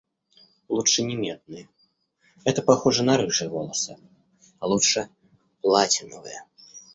Лучше не медные, это похоже на рыжие волосы, а лучше платиновые.